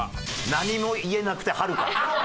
「何も言えなくて春か！」